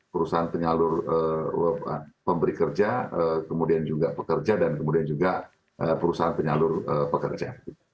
perusahaan penyalur pemberi kerja kemudian juga pekerja dan kemudian juga perusahaan penyalur pekerja